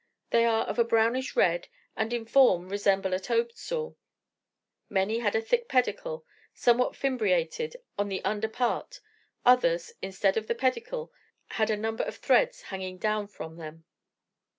They are of a brownish red, and in form resemble a toadstool; many had a thick pedicle, somewhat fimbriated on the under part; others, instead of the pedicle, had a number of threads hanging down from them.